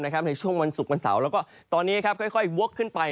ในช่วงวันศุกร์วันเสาร์แล้วก็ตอนนี้ค่อยวกขึ้นไป